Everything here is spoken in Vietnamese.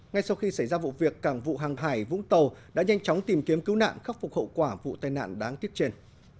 ngay sau khi xảy ra vụ việc cảng vụ hàng hải vũng tàu đã nhanh chóng tìm kiếm cứu nạn khắc phục hậu quả vụ tai nạn đáng tiếc trên